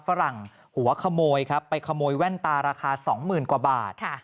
ฝรั่งหัวขโมยครับไปขโมยแว่นตาราคา๒๐๐๐กว่าบาท